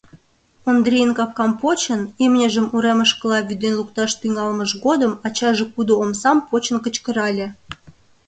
Ондрийын капкам почын, имньыжым уремышкыла вӱден лукташ тӱҥалмыж годым ачаже кудо омсам почын кычкырале: